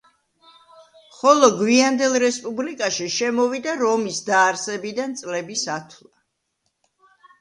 ხოლო გვიანდელ რესპუბლიკაში შემოვიდა რომის დაარსებიდან წლების ათვლა.